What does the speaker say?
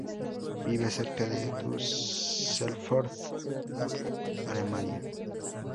Vive cerca de Düsseldorf, Alemania.